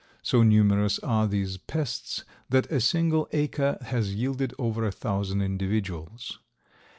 So numerous are these pests that a single acre has yielded over a thousand individuals.